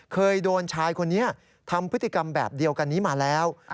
เคยโดนชายคนนี้ทำพฤติกรรมแบบเดียวกันนี้มาแล้ว